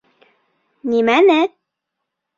Нимәне?